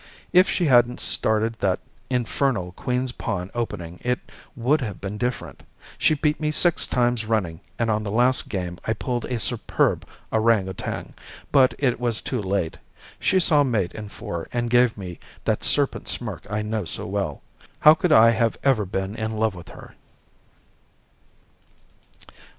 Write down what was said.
If she hadn't started that infernal queen's pawn opening it would have been different. She beat me six times running, and on the last game I pulled a superb orang outang, but it was too late. She saw mate in four and gave me that serpent smirk I know so well. How could I have ever been in love with her?